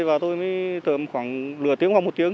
và tôi mới thử khoảng lửa tiếng hoặc một tiếng